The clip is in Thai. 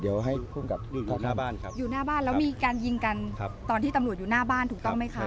อยู่หน้าบ้านแล้วมีการยิงกันตอนที่ตำรวจอยู่หน้าบ้านถูกต้องไหมคะ